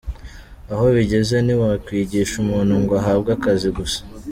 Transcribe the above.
Aho bigeze ntiwakwigisha umuntu ngo ahabwe akazi gusa’.